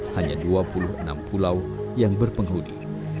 hanya dua puluh enam pulau yang berpenghuni